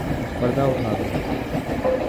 پردہ اٹھادو